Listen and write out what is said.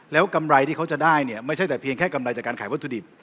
แล้วกำไรที่เขาจะได้เนี่ยไม่ใช่แต่เพียงแค่กำไรจากการขายวัตถุดิบ